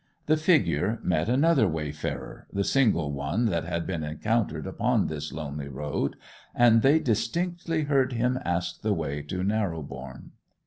The figure met another wayfarer—the single one that had been encountered upon this lonely road—and they distinctly heard him ask the way to Narrobourne.